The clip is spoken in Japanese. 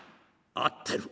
「合ってる！